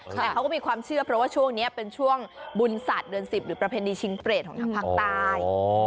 แต่เขาก็มีความเชื่อเพราะว่าช่วงนี้เป็นช่วงบุญศาสตร์เดือน๑๐หรือประเพณีชิงเปรตของทางภาคใต้